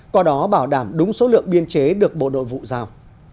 có đó bảo đảm đúng số lượng biên chế được bộ đội vụ giao